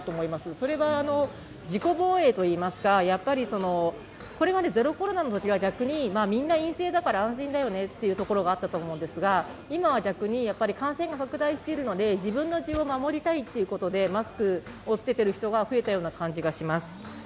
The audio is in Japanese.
それは自己防衛といいますか、これまでゼロコロナのときは逆に、みんな陰性だから安心だよねっていうところがあったと思うんですが今は逆に感染が拡大しているので、自分の身を守りたいということでマスクを着けている人が増えたような感じがします。